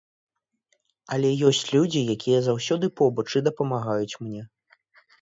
Але ёсць людзі, якія заўсёды побач і дапамагаюць мне.